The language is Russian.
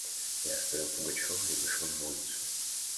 Я оставил Пугачева и вышел на улицу.